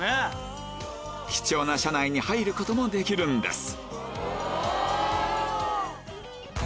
貴重な車内に入ることもできるんです